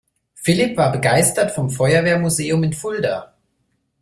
Philipp war begeistert vom Feuerwehrmuseum in Fulda.